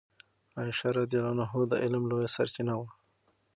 عائشه رضی الله عنها د علم لویه سرچینه وه.